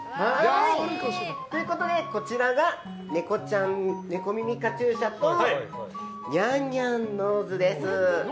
ということで、こちらがネコ耳カチューシャとにゃんにゃんノーズです。